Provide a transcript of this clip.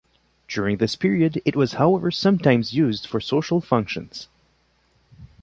During this period it was however sometimes used for social functions.